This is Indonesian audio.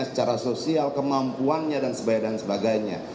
secara sosial kemampuannya dan sebagainya